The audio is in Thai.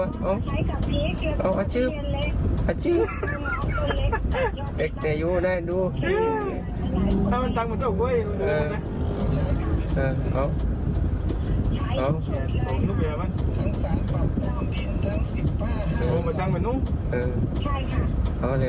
โรงพยาบาลทางแม่นุ้งค่ะค่ะ